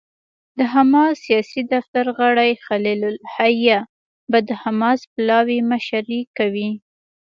د حماس سیاسي دفتر غړی خلیل الحية به د حماس پلاوي مشري کوي.